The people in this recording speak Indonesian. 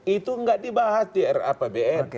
itu nggak dibahas di rapbn